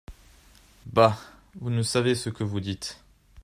Bah ! vous ne savez ce que vous dites.